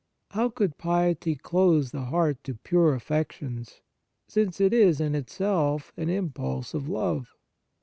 How could piety close the heart to pure affections, since it is in itself an impulse of love